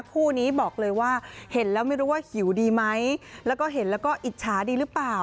คู่นี้บอกเลยว่าเห็นแล้วไม่รู้ว่าหิวดีไหมแล้วก็เห็นแล้วก็อิจฉาดีหรือเปล่า